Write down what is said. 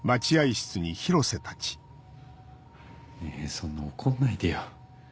そんな怒んないでよ。